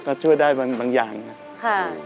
ก็ช่วยได้บางอย่างครับ